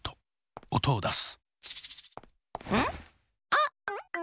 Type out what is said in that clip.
あっ！